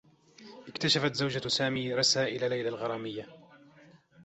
اكتشفت زوجة سامي رسائل ليلى الغراميّة.